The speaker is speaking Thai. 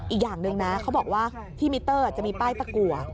อีกอย่างหนึ่งนะเขาบอกว่าที่มิเตอร์จะมีป้ายตะกัว